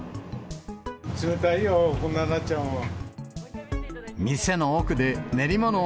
冷たいよ、こんなんなっちゃうもん。